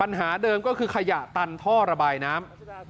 ปัญหาเดิมก็คือขยะตันท่อระบายน้ำ